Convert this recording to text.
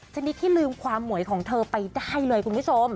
ชนิดที่ลืมความหมวยของเธอไปได้เลยคุณผู้ชม